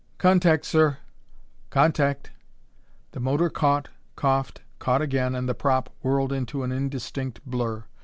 "Contact, sir!" "Contact." The motor caught, coughed, caught again and the prop whirled into an indistinct blur.